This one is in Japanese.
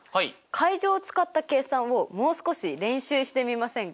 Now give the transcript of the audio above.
階乗を使った計算をもう少し練習してみませんか？